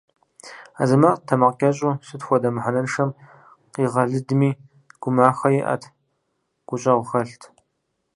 Азэмэт тэмакъкӏэщӏу, сыт хуэдэ мыхьэнэншэм къигъэлыдми, гумахэ иӏэт, гущӏэгъу хэлът.